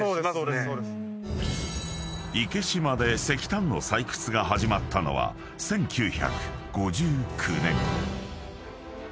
［池島で石炭の採掘が始まったのは１９５９年］